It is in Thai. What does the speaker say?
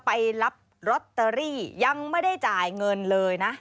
ไปรับลอตเตอรี่ยังไม่ได้จ่ายเงินเลยนะ